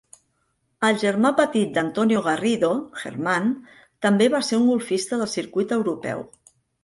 El germà petit d'Antonio Garrido, German, també va ser un golfista del circuit europeu.